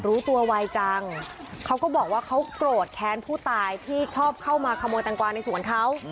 รู้ตัวไวจังเขาก็บอกว่าเขาโกรธแค้นผู้ตายที่ชอบเข้ามาขโมยแตงกวาในสวนเขา